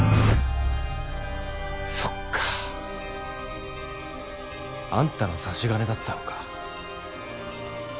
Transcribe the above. そっかあんたの差し金だったのか。